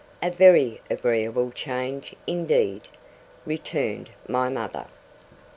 'A very agreeable change, indeed,' returned my mother.